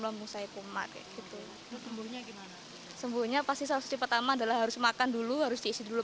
lambung saya puma gitu sembuhnya pasti salah satu pertama adalah harus makan dulu harus diisi dulu